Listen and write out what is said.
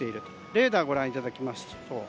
レーダーをご覧いただきましょう。